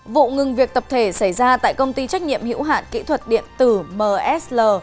vụ ngừng việc tập thể xảy ra tại công ty trách nhiệm hữu hạn kỹ thuật điện tử msl